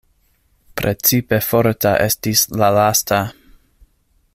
Precipe forta estis la lasta.